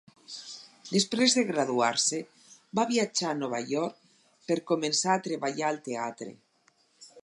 Després de graduar-se, va viatjar a Nova York per començar a treballar al teatre.